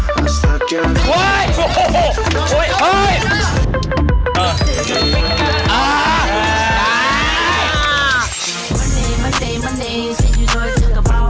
ก็ต้องเปิดตัวแบบอลังกาย